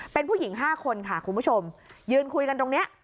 เป็นผู้หญิง๕คนค่ะคุณผู้ชมยืนคุยกันตรงนี้